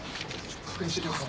確認してください。